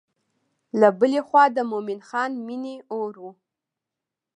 له بلې خوا د مومن خان مینې اور و.